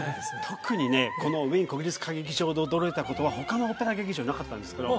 特にねこのウィーン国立歌劇場で驚いたことは他のオペラ劇場になかったんですけど